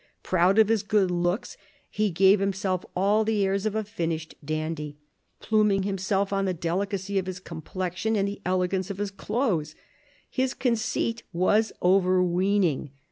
Proud of his good looks, he gave himself all the airs of a finished dandy, pluming himself on the delicacy of his complexion and the elegance of his clothes. His con ceit was overweening.